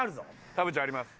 田渕あります。